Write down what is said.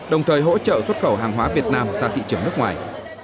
đồng thời hỗ trợ xuất khẩu hàng hóa việt nam ra thị trường nước ngoài